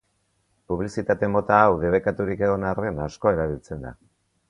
Publizitate-mota hau debekaturik egon arren, asko erabiltzen da.